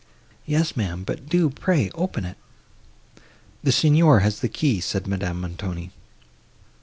"Yes, ma'am, but do pray open it." "The Signor has the key," said Madame Montoni.